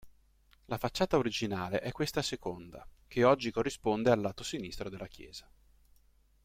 La facciata originale è questa seconda, che oggi corrisponde al lato sinistro della chiesa.